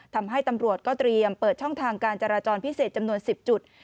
ทำให้ตำรวจก็เตรียมเปิดช่องทางการจราจรพิเศษจำนวน๑๐จุด